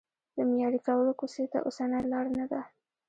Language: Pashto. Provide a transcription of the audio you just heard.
د معیاري کولو کوڅې ته اوسنۍ لار نه ده.